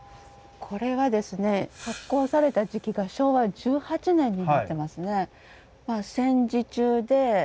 これはですね発行された時期が昭和１８年になってますね。